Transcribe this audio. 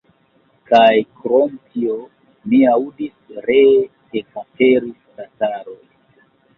Kaj krom tio, mi aŭdis, ree ekaperis tataroj.